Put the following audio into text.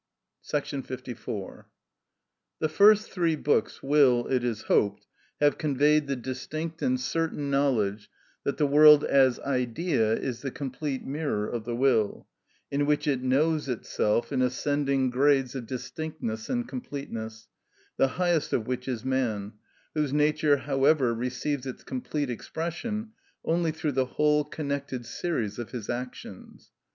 § 54. The first three books will, it is hoped, have conveyed the distinct and certain knowledge that the world as idea is the complete mirror of the will, in which it knows itself in ascending grades of distinctness and completeness, the highest of which is man, whose nature, however, receives its complete expression only through the whole connected series of his actions.